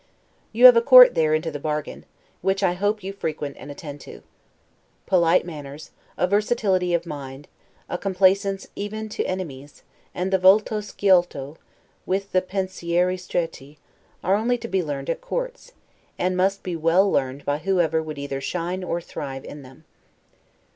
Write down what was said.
You have a court there into the bargain, which, I hope, you frequent and attend to. Polite manners, a versatility of mind, a complaisance even to enemies, and the 'volto sciolto', with the 'pensieri stretti', are only to be learned at courts, and must be well learned by whoever would either shine or thrive in them.